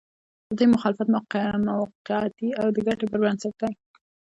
د دوی مخالفت موقعتي او د ګټې پر بنسټ دی.